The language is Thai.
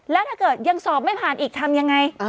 แล้วถ้าเกิดยังสอบไม่ผ่านอีกทำยังไง